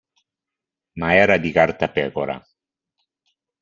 Ma era di cartapecora.